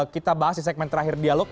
kita bahas di segmen terakhir dialog